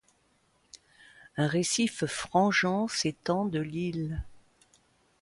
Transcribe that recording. Un récif frangeant s'étend de l'île.